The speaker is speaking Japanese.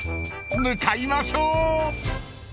［向かいましょう］